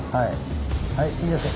はいいいですよ。